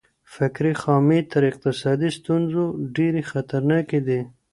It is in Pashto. فکري خامۍ تر اقتصادي ستونزو ډېرې خطرناکې دي.